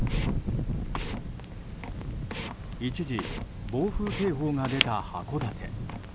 一時、暴風警報が出た函館。